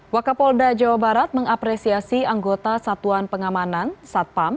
wakapolda jawa barat mengapresiasi anggota satuan pengamanan satpam